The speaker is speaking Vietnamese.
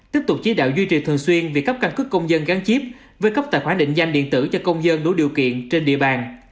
tiếp tục chỉ đạo duy trì thường xuyên việc cấp căn cứ công dân gắn chip với cấp tài khoản định danh điện tử cho công dân đủ điều kiện trên địa bàn